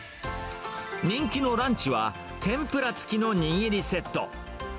人気のランチは、天ぷら付きの握りセット。